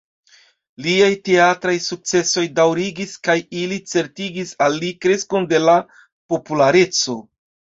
Liaj teatraj sukcesoj daŭrigis kaj ili certigis al li kreskon de la populareco.